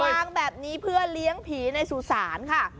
วางแบบนี้เพื่อเลี้ยงผีในสุสานค่ะ